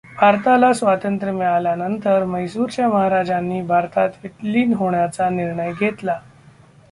भारताला स्वातंत्र्य मिळाल्यानंतर म्हैसूरच्या महाराजांनी भारतात विलीन होण्याचा निर्णय घेतला.